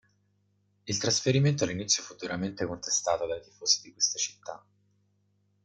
Il trasferimento all'inizio fu duramente contestato dai tifosi di queste città.